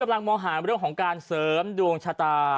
มองหาเรื่องของการเสริมดวงชะตา